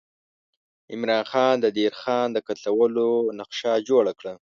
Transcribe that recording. عمرا خان د دیر خان د قتلولو نقشه جوړه کړه.